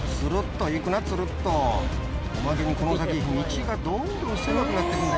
おまけにこの先道がどんどん狭くなって行くんだ。